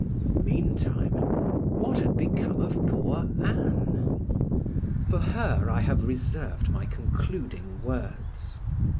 Meantime, what had become of poor Ann? For her I have reserved my concluding words.